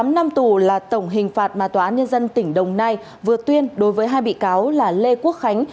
một mươi năm năm tù là tổng hình phạt mà tòa án nhân dân tỉnh đồng nai vừa tuyên đối với hai bị cáo là lê quốc khánh